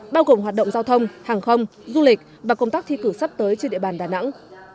bao gồm hoạt động giao thông hàng không du lịch và công tác thi cử sắp tới trên địa bàn đà nẵng